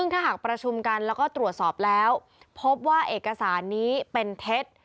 ถ้าหากประชุมกันแล้วก็ตรวจสอบแล้วพบว่าเอกสารนี้เป็นเท็จ